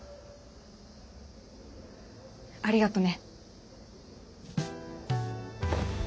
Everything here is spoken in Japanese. ありがとね。